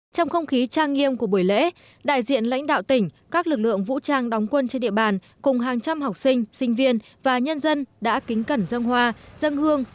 trong không khí trang nghiêm của buổi lễ đại diện lãnh đạo tỉnh các lực lượng vũ trang đóng quân trên địa bàn cùng hàng trăm học sinh sinh viên và nhân dân đã kính cẩn dân hoa dân hương